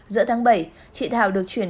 giữa tháng bảy chị thảo được chuyển